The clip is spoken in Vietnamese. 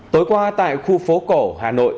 tối qua tại khu phố cổ hà nội